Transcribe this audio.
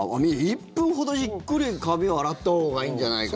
１分ほどじっくり髪を洗ったほうがいいんじゃないかと。